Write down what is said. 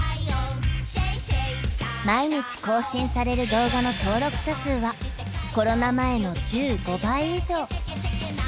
毎日更新される動画の登録者数はコロナ前の１５倍以上。